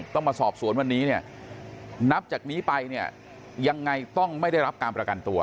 ต้องมาสอบสวนวันนี้เนี่ยนับจากนี้ไปเนี่ยยังไงต้องไม่ได้รับการประกันตัว